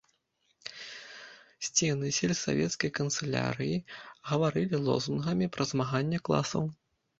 Сцены сельсавецкай канцылярыі гаварылі лозунгамі пра змаганне класаў.